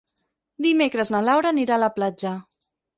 Dimecres na Laura anirà a la platja.